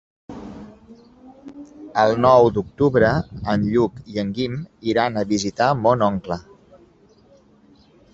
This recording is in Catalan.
El nou d'octubre en Lluc i en Guim iran a visitar mon oncle.